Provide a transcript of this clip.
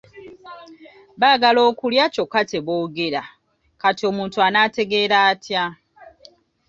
Baagala okulya kyokka teboogera kati omuntu anaategeera atya?